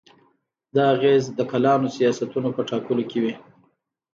دا اغېز د کلانو سیاستونو په ټاکلو کې وي.